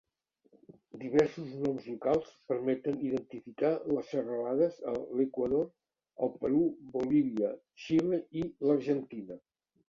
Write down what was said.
Diversos noms locals permeten identificar les serralades a l'Equador, el Perú, Bolívia, Xile i l'Argentina.